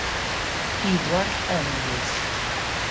Edward Andrews